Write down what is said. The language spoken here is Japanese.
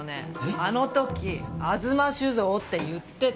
あの時「吾妻酒造」って言ってた。